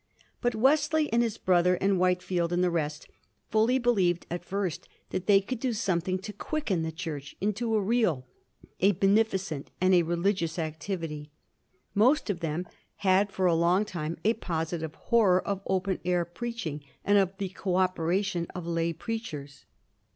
But Wesley and his brother, and Whitefield and the rest, fully believed at first that they could do sometbing to quicken the Church into a real, a beneficent, and a religious activity. Most of them had for a long time a positive horror of open air preaching and of the co operation of lay preachers.